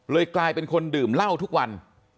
กลายเป็นคนดื่มเหล้าทุกวัน